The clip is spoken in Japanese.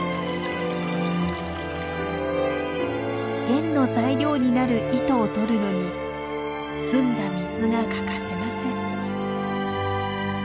弦の材料になる糸をとるのに澄んだ水が欠かせません。